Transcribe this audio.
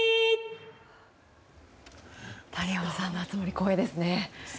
谷保さんの熱盛光栄ですね。